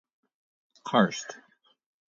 Karst.